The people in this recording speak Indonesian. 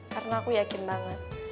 karena aku yakin banget